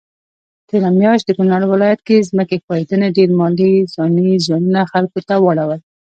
تيره مياشت د کونړ ولايت کي ځمکي ښویدني ډير مالي ځانی زيانونه خلکوته واړول